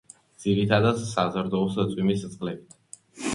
ძირითადად საზრდოობს წვიმის წყლებით.